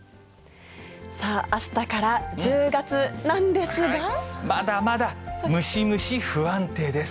さあ、あしたから１０月なんまだまだムシムシ不安定です。